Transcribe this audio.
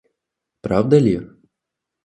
Правда ли?